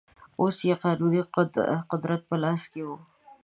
اوس یې قانوني قدرت په لاس کې و.